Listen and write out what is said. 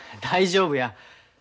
大丈夫や。